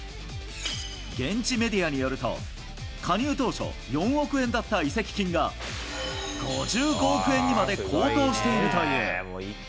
現地メディアによると、加入当初４億円だった移籍金が、５５億円にまで高騰しているという。